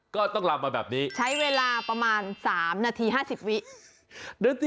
ก็ต้องลำมาแบบนี้ใช้เวลาประมาณ๓นาที๕๐วิ